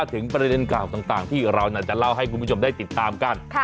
ถึงประเด็นเก่าต่างที่เราจะเล่าให้คุณผู้ชมได้ติดตามกัน